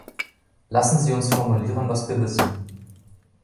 Lassen Sie uns formulieren, was wir wissen.